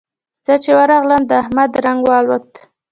زه چې ورغلم؛ د احمد رنګ والوت.